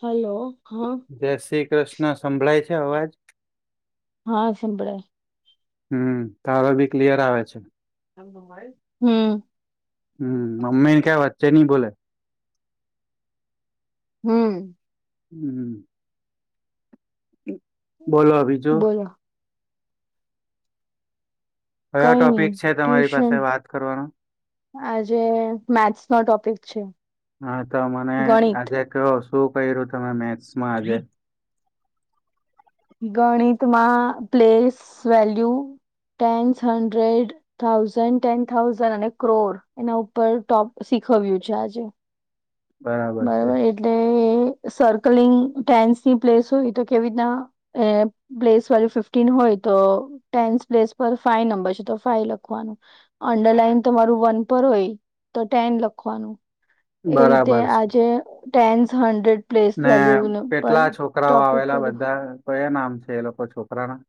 Hello હા. જય શ્રી કૃષ્ણ સંભળાય છે, અવાજ? હા સંંભળાય. હું ટાવર ભી ક્લિયર આવે છે. હ્. હમ મમ્મીને કે વચ્ચે નઈ બોલે‌. હમ્મ. હું. બોલો બીજું. બોલો કયા કઈ નઈ ટોપિક છે તમારી પાસે ટ્યુશન વાત કરવાનું. આજે મેથ્સ નો ટોપિક છે. હા તો મને ગણિત આજે કયો? શું ક્યું તમે મેથસમાં આજે. ગણિત માં place value. Tens hundred thousand ten thousand અને ક્રોર એના ઉપર ટોપી શીખવ્યું છે આજે બરાબર છે બરોબર એટલે. સર્કલિંગ ટેન્સની પ્લેસ હોય તો કેવી રીતના એ પ્લેસ વાળી ફિફ્ટીન હોય તો ટેન્થ પ્લેસ પર ફાઈ નંબર છે તો ફાઈ લખવાનું. અંડરલાઈન તમારું વન પર હોય તો ટેન લખવાનું. એ રીતે બરાબર છે આજે ટેન્સ હન્ડ્રેડ ને કેટલા છોકરાઓ આવેલા કર્યું બધા? કયા નામ છે એ લોકો છોકરાના?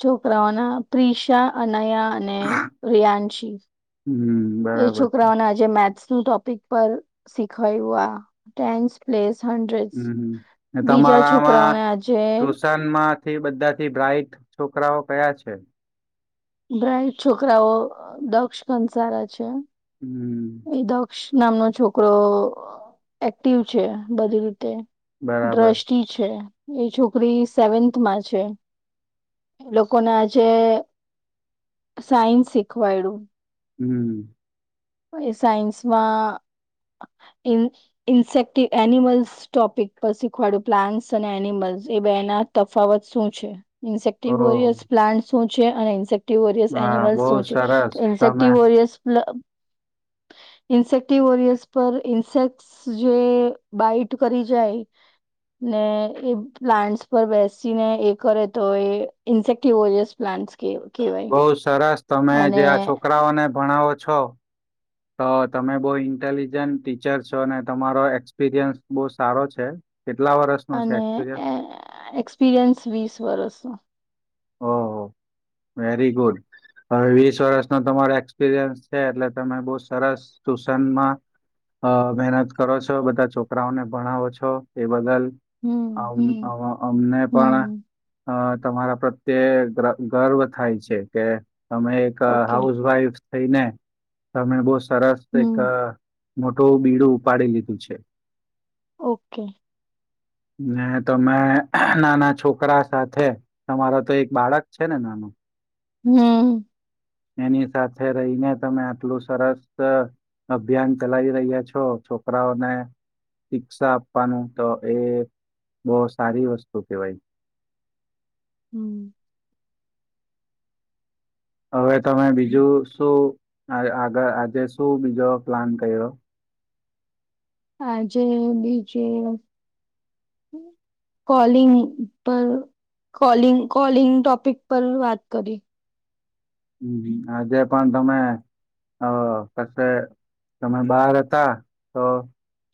છોકરાઓના પ્રિશા અને અને રિયાંશી હમ એ બરાબર છે છોકરાઓના આજે મેથ્સ. હું ટોપિક પર શીખવાડું આ ટેન્શ પ્લેસ. હંડ્રેડ્સ હું બીજા છોકરાઓને તમારામાં આજે તુશાન માંથી બધાથી બ્રાઇટ છોકરાઓ કયા છે. બ્રાઇટ છોકરાઓ દક્ષ કંનસારા સારા છે. હમ એ દક્ષ નામનો છોકરો એક્ટિવ છે બધી રીતે. બરાબર દ્રષ્ટિ છે. એ છોકરી સેવન્થમાં છે એ લોકોને જે. સાયન્સ શીખવાડ્યું. હમ્મ. એ સાયન્સમાં ઇન્સેક્ટ એનિમલ્સ ટોપિક પર શીખવાડ્યું પ્લાન્ટ્સ અને એનિમલ. એ બે ના તફાવત શું છે ઇન્સેસટીવ ઓહ પ્લાન્ટ શું છે અને ઈ ટીરિયસ હા એનિમલ બહુ શું છે તો સરસ તમે ઇન્સેક્ટિવોરિય પ્રસ્લ [inaudible] ઇન્સેક્ટોરિયર્સ પર ઇન્સેક જે બાઈટ કરી જાય. ને એ પ્લાન્ટસ પર બેસી ને એ કરે તો એ ઇન્સેક્ટિવોરિયસ પ્લાન્ટ. [unintelligible] બહુ સરસ તમે જે આ છોકરાઓને ભણાવો છો. તો તમે બઉ ઇન્ટેલિજન્ટ ટીચર છો અને તમારો એક્સપિરિયન્સ બહુ સારો છે. કેટલા વર્ષનો છે અને એક્સપિરિયન્સ એ- એક્સપિરિયન્સ વીસ વરસનો. ઓહો વેરી ગુડ. હવે વીસ વરસનો તમારે એક્સપિરિયન્સ છે એટલે તમે બો સરસ ટ્યુશનમાં હ મહેનત કરો છો બધા છોકરાઓને ભણાવો છો એ બદલ હમ હમ અમ-અ-અમને પણ હમ અ તમારા પ્રત્ તે ગ્ર-ગર્વ થાય છે કે તમે એક ઓકે હાઉસવાઈફ સ થઈને તમે બહુ સરસ હમ એક મોટું બીડું ઉપાડી લીધું છે. ઓકે. ને તમે નાના છોકરા સાથે તમારો તો એક બાળક છે ને નાનું? હમ્મ. એની સાથે રહીને તમે આટલું સરસ અભિયાન ચલાવી રહ્યા છો છોકરાઓને શિક્ષા આપાનું તો એ બો સારી વસ્તુ કેવાય. [inaudible] હમ. હવે તમે બીજું શું આય-આગ-આજે શું બીજો પ્લાન કર્યો? આજે બીજે કોલિંગ પર કોલિંગ કોલિંગ ટોપિક પર વાત કરી. હમ અજે પણ તમે હ પર તે તમે બાર હતા તો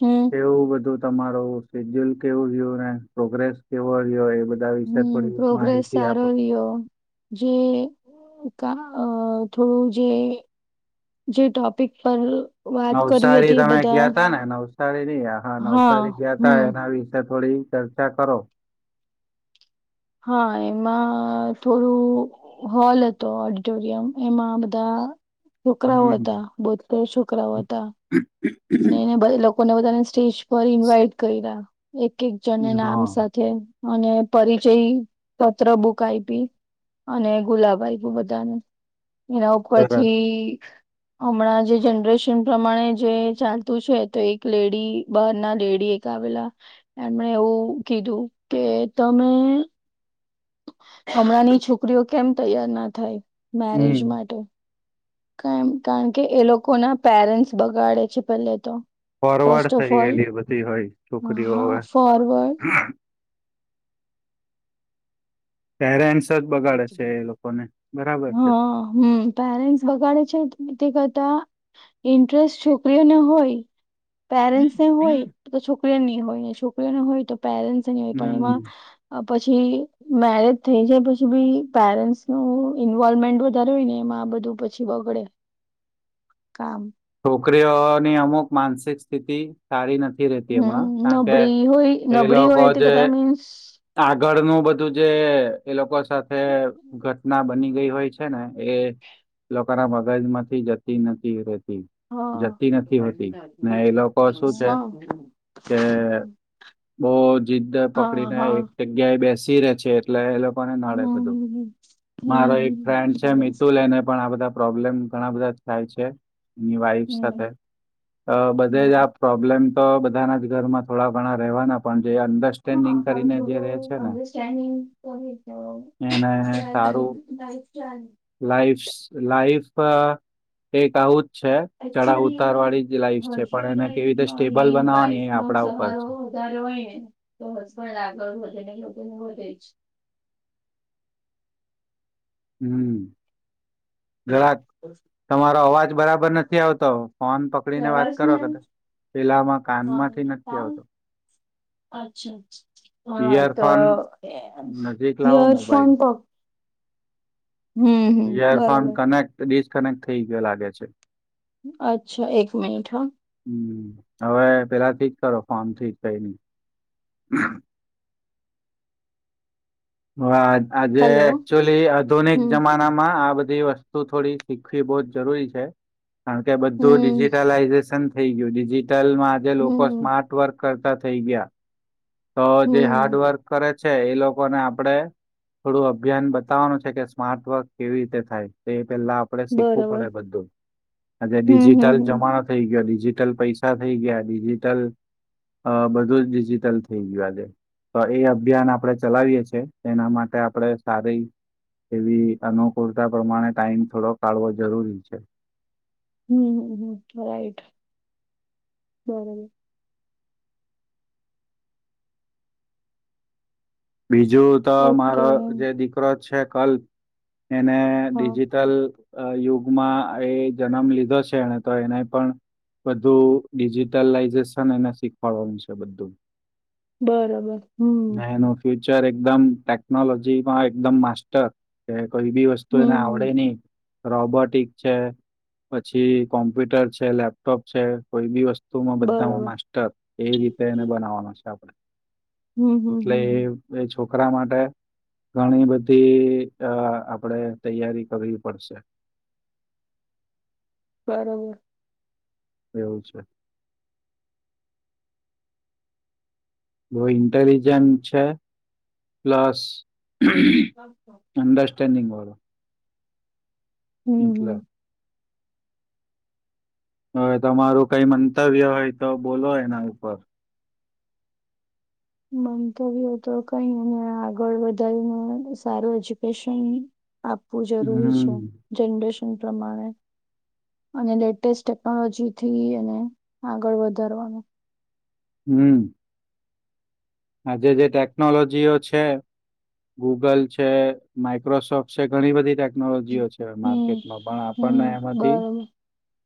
હમ એવું બધું તમારું સેડ્યુલ કેવું રીયું, ને પ્રોગ્રેસ કેવો રિયો એ બ હમ પ્રોગ્રેસ સારો રિયો. જે કા અ થોડું જે જે ટોપિક પર વાત કરવી નવસારી હતી એ તમે બધા ગ્યા તા ને? નવસારી ની હા નવસારી ગ્યા તા એના વિશે થોડી ચર્ચા કરો. હા એમાં થોડું હોલ હતો. ઓડિટોરિયમ એમાં બધા છોકરાઓ હમ હતા. બોતેર છોકરાઓ હતા. ને એને બય લોક લોકોને બધાને સ્ટેજ પર ઇન્વાઈટ કર્યા. એક એક જણને નામ હા સાથે અને પરિચય પત્રબુક આયપી અને ગુલાબ આયપુ બધાને. એના સરસ ઉપરથી હમણા જે જનરેશન પ્રમાણે જે ચાલતું છે તો એક લેડી બહાર ના લેડી એક આવેલા. એમણે એવું કીધું કે તમે હમણાંની છોકરીઓ કેમ તૈયાર ના થાય મેરેજ હમ માટે? કેમ? કારણ કે એ લોકો ના પેરેન્ટ્સ બગાડે છે પેલે તો. ફોરવર્ડ ફસ્ટ ઓફ થઈ ઓલ ગયેલી બધી હોય છોકરીઓ હા હવે ફરવર્ડ પેરેન્ટ્સ જ બગાડે છે એ લોકોને બરાબર [inaudible] છે હા હમ પેરેન્સ બગાડે છે કે તે કરતા ઇન્ટરેસ્ટ છોકરીઓને હોય પેરેન્ટસ ને હોય તો છોકરી ની હોય ને છોકરીઓને હોય તો પેરેન્સ ની હોય પણ હમ એમાં અ-પછી મેરેજ થઈ જાય પ ભી પેરેન્ટ્સનું ઇન્વોલ્મેન્ટ વધારે હોય ને એમાં આ બધું પછી બગડે. કામ છોકરીઓની અમુક માનસિક સ્થિતિ સારી ના નથી રેતી હમણાં હમ કારણ કે નબળી હોય એ નબળી લોકો હોય તે જે કદા મીન્સ આગળ નું બધું જે એ લોકો સાથે ઘટના બની [inaudible] હોય છે ને એ લોકો ના મગજ માંથી જતી નથી રે હા જતી નથી હોતી ને એ લોકો શું છે હા કે બહું જિદ્દ પકડી હા ને હા એક જગ્યાએ એ બેસી રે છે એટલે નડે હમ બધું હમ હમ મારો એક ફ્રેન્ડ હમ છે બરાબર. મિતુંલ એને પણ આ બધા પ્રોબ્લેમ ઘણા બધા થાય છે. એની વાઈફ સાથે હમ બધે જ આ હમ પ્રોબ્લેમ તો બધાના જ ઘરમાં થોડા ઘણા રહેવાના પણ જે હા અન્ડરસ્ટેન્ડિંગ પણ કરીને જે રહે થોડું છે ને અડરસ્ટેન્ડિંગ એને સારું [inaudible] લાઈફ લાઈફ એક આવું જ છે ચડાવ ઉતાર એકચુલી વાળી જ લાઈફ છે પણ હસબન્ડ એને કેવી વાઈફ રીતે નો સ્ટેબલ મેન બનાવવાની વાઈફ એ નો આપડા ઉપર સહારો છે. હોય ને તો હજ પણ આગળ વધે ને લોકોને વધે જ. હમ જરાક તમારો અવાજ બરાબર નથી આવતો. ફોન પકડીને વાત પ્રવાસ કરો પેલામાં હા કાનમાંથી નકી હા? આવતું. અચ્છા. હા તો ઈયરફોન નજીક લાવો યર્શન મોબાઈલ પક હમ હમ યરફોન બરોબર કનેક્ટ ડિસ્કનેક્ટ થઈ લાગે છે. અચ્છા એક મિનિટ હા. હમ્મ હવે પેલા થીક કરો ફોમ થી કઈ નહી. વા આજે હલો એકચુલી આધુનિક હમ જમાનામાં આ બધા બધી વસ્તુ થોડી શીખવી બો જરૂરી છે કારણ કે બધું હમ ડિજિટલાઈઝેશન થઈ ગયું ડિજિટલમાં આજે લોકો હમ સ્માર્ટ વર્ક કરતા થઈ ગયા. તો જે હમ હાર્ડવર્ક કરે છે એ લોકોને આપડે થોડું અભિયાન બતાવવાનું છે કે સ્માર્ટ વર્ક કેવી રીતે થાય તે પેલા આપડે શીખવું બરોબર પડે બધું આજે હમ ડિજિટલ હમ હમ જમાનો થઈ ગયો ડિજિ ટલ પૈસા થઈ ગયા ડિજિટલ આ બધું જ ડિજિટલ થઈ ગયું આજે તો એ અભિયાન આપણે ચલાવીએ છ છેએ એના માટે આપણે સારી એવી અનુકૂળતા પ્રમાણે ટાઈમ થોડો કાઢવો જરૂરી છે. હમ હમ હમ રાઈટ બરોબર. બીજું તો ઓકે મારો જે દીકરો છે કલ્પ એને હા ડિજિટલ આ યુગમાં એ જન્મ લીધો છે એને તો એને પણ બધું ડિજિટલાઈઝેશન એને શીખવાડવાનું છે બધું. બરોબર. ને એનું ફ્યુચર એકદમ ટેકનોલોજીમાં એકદમ માસ્ટર કે કોઈ બી વસ્તુ એને આવડે હમ. નહી. રોબોટિક છે પછી કોમ્પ્યુટર છે લેપટોપ છે કોઈ બી વસ્ત તો માં બધામાં બરાબર. માસ્ટર એ રીતે એને બનાવવાનો છે આપણે. હમ, હમ, એટલે એ હમ. એ છોકરા માટે. ઘણી બધી અ આપડે તૈયારી કરવી પડશે. [inaudible] બરોબર. એવું છે. બો ઇન્ટેલિજન્ટ છે પ્લસ અન્ડરસ્ટેન્ડિંગ વાળો. હમ હમ એટલે. હવે તમારું કઈ મંતવ્ય હોય તો બોલો એના ઉપર મંતવ્યો તો કઈ આગળ વધારીને સારું એજ્યુકેશન આપવું જરૂરી છે હમ્મ જનરેશન પ્રમાણે અને લેટેસ્ટ ટેકનોલોજી થી એને આગળ વધારવાનું હમ્મ. આજે જે ટેકનોલોજીઓ છે. ગૂગલ છે માઈક્રોસોફ્ટ છે ઘણી બધી હમ, ટેકનોલોજીઓ છે માર્કેટમાં પણ આપણને હમ. એમાંથી બરાબર.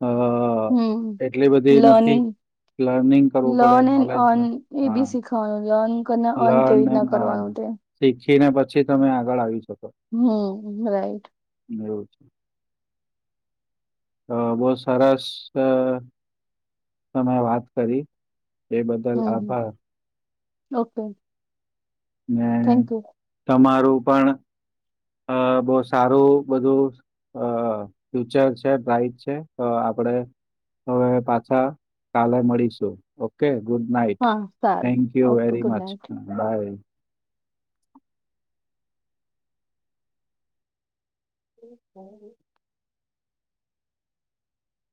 આ હમ. એટલી બધી નથી. લર્નિંગ લર્નિંગ કરવું પડે લર્ન એન્ડ નોલેજ અર્ન ને એ હા. બી શીખવાનું લર્ન અને અર્ન લન કેવી ને રીતના હ કરવાનું તે. શીખીને પછી તમે આગળ આવી શક હા રાઈટ. એવું છે. અ બો સરસ અહહ તમે વાત કરી. એ બદલ હમ, હમ. આભાર. ઓકે. ને થેન્ક યુ તમારું પણ અ બો સારું બધું અ ફ્યુચર છે બ્રાઇટ છે તો આપડે હવે પાછા કાલે મળીશું ઓકે. ગુડ નાઇટ હા સારું thank you okay very good much night by. [inaudible]